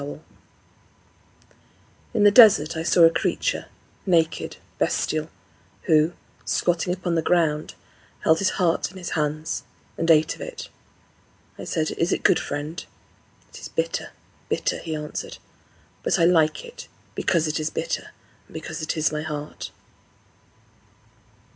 III In the desert I saw a creature, naked, bestial, who, squatting upon the ground, Held his heart in his hands, And ate of it. I said, "Is it good, friend?" "It is bitter bitter," he answered; "But I like it Because it is bitter, And because it is my heart."